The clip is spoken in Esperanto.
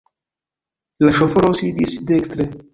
La ŝoforo sidis dekstre.